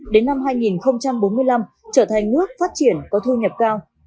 đến năm hai nghìn bốn mươi năm trở thành nước phát triển có thu nhập cao